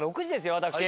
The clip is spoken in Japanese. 私。